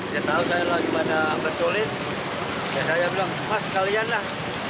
dia tahu saya lagi pada berkulit ya saya bilang mas sekalian lah